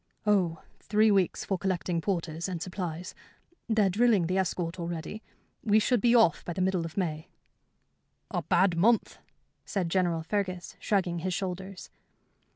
"Oh, three weeks for collecting porters and supplies. They're drilling the escort already. We should be off by the middle of May." "A bad month," said General Fergus, shrugging his shoulders.